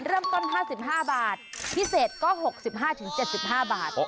เริ่มต้น๕๕บาทพิเศษก็๖๕๗๕บาท